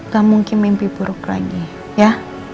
gak mungkin mimpi buruk lagi ya